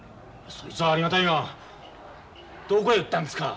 そいつはありがたいがどこへ売ったんですか？